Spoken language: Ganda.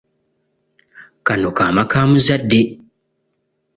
Kano kaama ka muzadde.